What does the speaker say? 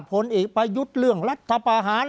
ผลเอกประยุทธ์เรื่องรัฐประหาร